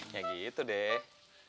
ya gitu deh